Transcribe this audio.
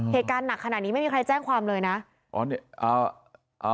เหตุการณ์หนักขนาดนี้ไม่มีใครแจ้งความเลยนะอ๋อนี่อ่าเอา